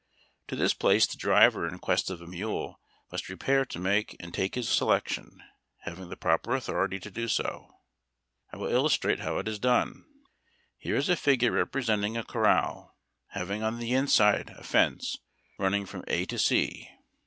To this place the driver in quest of a mule must repair to make and take his selection, having the proper authority to do so. I will illustrate how it was done. Here is a figure representing a corral, having on the inside a fence running from A to C.